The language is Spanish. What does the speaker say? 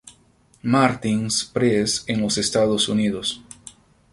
Martin's Press en los Estados Unidos.